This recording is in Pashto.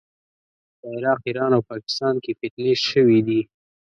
په عراق، ایران او پاکستان کې فتنې شوې دي.